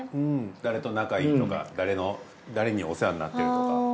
誰と仲いいとか誰にお世話になってるとか。